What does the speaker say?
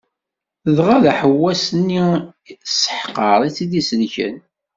Dɣa d aḥewwas- nni tesseḥqer i tt-id-isellken.